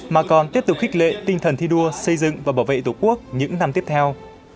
mà còn tiếp tục khích lệ tinh thần thi đua xây dựng và bảo vệ tổ quốc những năm tiếp theo